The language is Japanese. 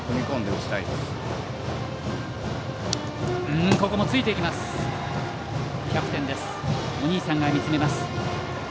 お兄さんが見つめます。